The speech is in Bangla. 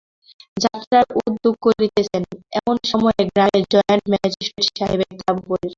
যাত্রার উদ্যোগ করিতেছেন এমন সময়ে গ্রামে জয়েন্ট ম্যাজিস্ট্রেট সাহেবের তাঁবু পড়িল।